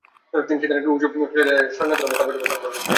তিনি সেদিন একটি উঁচু টিলায় দাঁড়িয়ে সৈন্যদের অবস্থা পর্যবেক্ষণ করেছিলেন।